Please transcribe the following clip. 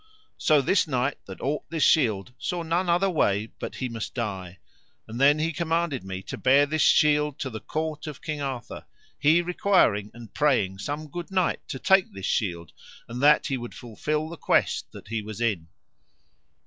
So this knight that ought this shield saw none other way but he must die; and then he commanded me to bear this shield to the court of King Arthur, he requiring and praying some good knight to take this shield, and that he would fulfil the quest that he was in.